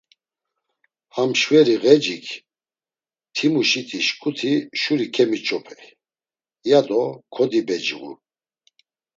Ham şveri ğecik, timuşiti şǩuti şuri kemiç̌op̌ey, yado kodibecğu.